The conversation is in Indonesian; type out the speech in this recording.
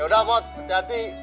ya udah mod hati hati